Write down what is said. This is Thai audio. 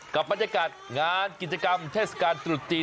กับบรรยากาศงานกิจกรรมเทศกาลตรุษจีน